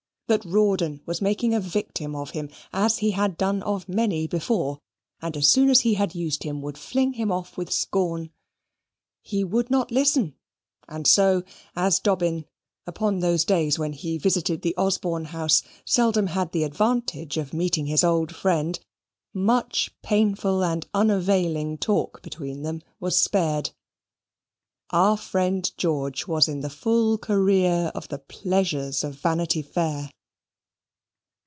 that Rawdon was making a victim of him as he had done of many before, and as soon as he had used him would fling him off with scorn? He would not listen: and so, as Dobbin, upon those days when he visited the Osborne house, seldom had the advantage of meeting his old friend, much painful and unavailing talk between them was spared. Our friend George was in the full career of the pleasures of Vanity Fair.